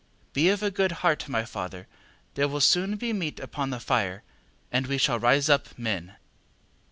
Be of a good heart, my father, there will soon be meat upon the fire, and we shall rise up men.